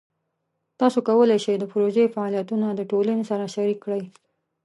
تاسو کولی شئ د پروژې فعالیتونه د ټولنې سره شریک کړئ.